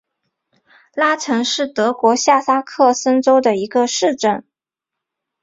拉岑是德国下萨克森州的一个市镇。